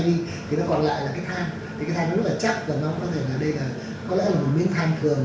thì cái than nó rất là chắc và nó có thể là đây là có lẽ là một miếng than thường chứ không là than hòa tính